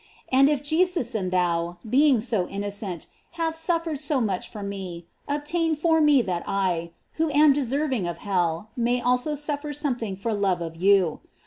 And if Jesus and thou, being so in nocent, have suffered so much for me, obtain for me that I, who am deserving of hell, may also suffer something for love of you.